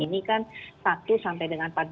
ini kan satu sampai dengan